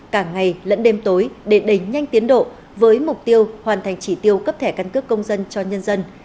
cả ngày lẫn đêm tối để đẩy nhanh tiến độ với mục tiêu hoàn thành chỉ tiêu cấp thẻ căn cước công dân cho nhân dân